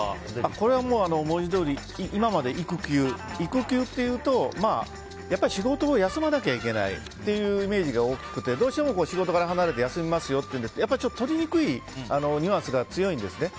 これはもう文字どおり今まで育休育休というと仕事を休まなきゃいけないイメージが大きくてどうしても仕事から離れて休みますよっていうので取りにくいニュアンスが強いんですね。